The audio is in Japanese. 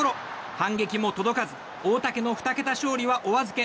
反撃も届かず大竹の２桁勝利はお預け。